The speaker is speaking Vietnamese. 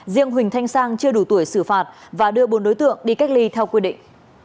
riêng huỳnh thanh sang chưa đủ tuổi xử phạt và đưa bốn đối tượng đi cách ly theo quy định